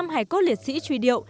một mươi năm hải cốt liệt sĩ truy điệu